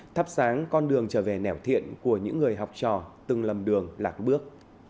thắp sáng con đường trở về nẻo thiện của những người học trò từng lầm đường lạc bước